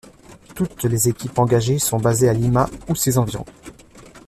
Toutes les équipes engagées sont basées à Lima ou ses environs.